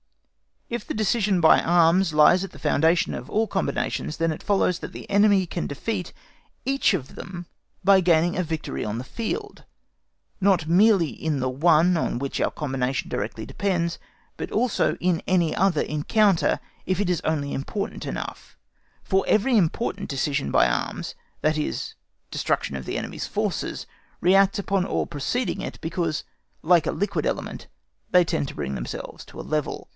If the decision by arms lies at the foundation of all combinations, then it follows that the enemy can defeat each of them by gaining a victory on the field, not merely in the one on which our combination directly depends, but also in any other encounter, if it is only important enough; for every important decision by arms—that is, destruction of the enemy's forces—reacts upon all preceding it, because, like a liquid element, they tend to bring themselves to a level.